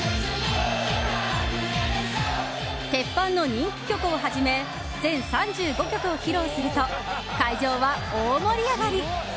鉄板の人気曲をはじめ全３５曲を披露すると会場は大盛り上がり。